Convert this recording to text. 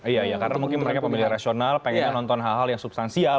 iya iya karena mungkin mereka pemilihan rasional pengen nonton hal hal yang substansial